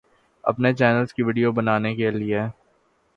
اپنے چینلز کی ویڈیو بنانے کے لیے